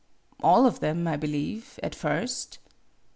" "All of them, I believe, at first."